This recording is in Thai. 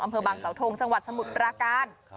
อำเภอบางสาวทงจังหวัดสมุทรปราการ